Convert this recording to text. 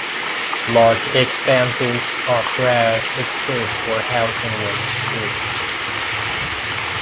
Large expanses of grass exist where housing once stood.